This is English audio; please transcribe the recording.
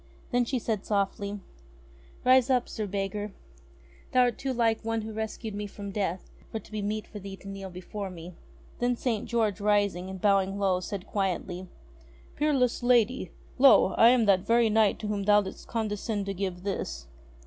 Then she said softly : "Rise up, Sir Beggar ! Thou art too like one who rescued me from death, for it to be meet for thee to kneel before me !" Then St. George rising, and bowing low, said quietly :*' Peerless lady ! Lo ! I am that very knight to whom thou did'st condescend to give this."